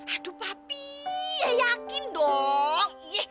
aduh papi yakin dong